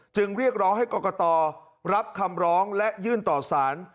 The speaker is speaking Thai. เรียกร้องให้กรกตรับคำร้องและยื่นต่อสาร